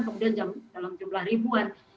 kemudian dalam jumlah ribuan